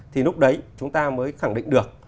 thì lúc đấy chúng ta mới khẳng định được